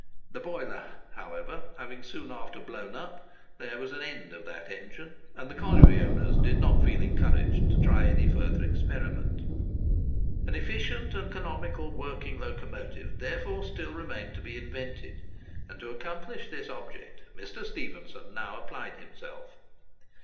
The boiler, however, having soon after blown up, there was an end of that engine; and the colliery owners did not feel encouraged to try any further experiment. An efficient and economical working locomotive, therefore, still remained to be invented; and to accomplish this object Mr. Stephenson now applied himself.